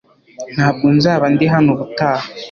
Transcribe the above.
Ntabwo nzaba ndi hano ubutaha